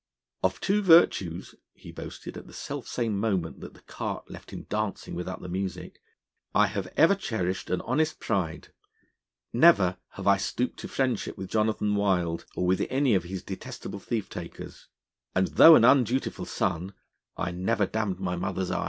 'Of two virtues,' he boasted at the self same moment that the cart left him dancing without the music, 'I have ever cherished an honest pride: never have I stooped to friendship with Jonathan Wild, or with any of his detestable thief takers; and, though an undutiful son, I never damned my mother's eyes.'